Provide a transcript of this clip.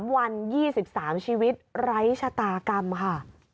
๓วัน๒๓ชีวิตไร้ชะตากรรมค่ะ